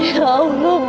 ya allah mas